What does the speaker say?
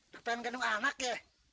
dek pengen gendong anak ya